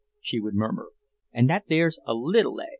she would murmur, "and that there's a little a."